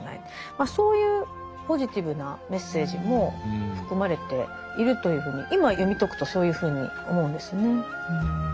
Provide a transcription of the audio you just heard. そういうポジティブなメッセージも含まれているというふうに今読み解くとそういうふうに思うんですね。